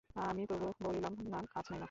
আমি তবু বলিলাম, না, কাজ নাই মা।